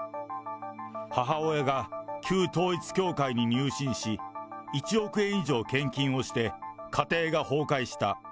母親が旧統一教会に入信し、１億円以上献金をして、家庭が崩壊した。